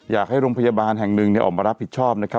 อยากให้โรงพยาบาลแห่งหนึ่งออกมารับผิดชอบนะครับ